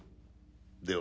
では。